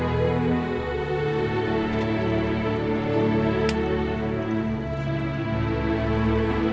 kalau jadi kayak gini aja